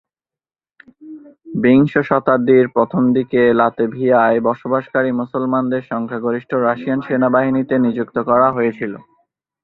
বিংশ শতাব্দীর প্রথম দিকে লাতভিয়ায় বসবাসকারী মুসলমানদের সংখ্যাগরিষ্ঠ রাশিয়ান সেনাবাহিনীতে নিযুক্ত করা হয়েছিল।